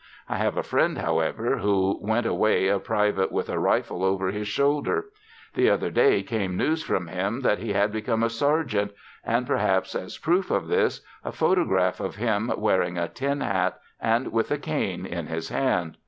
I have a friend, however, who went away a private with a rifle over his shoulder. The other day came news from him that he had become a sergeant, and, perhaps as proof of this, a photograph of himself wearing a tin hat and with a cane in his hand.